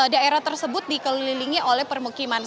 daerah tersebut dikelilingi oleh permukiman